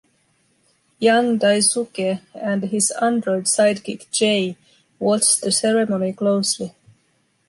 Young Daisuke and his android sidekick J watch the ceremony closely.